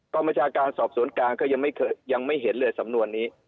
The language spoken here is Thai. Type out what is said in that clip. กรรมชาการสอบสวนกลางก็ยังไม่เห็นเลยสำนวนนี้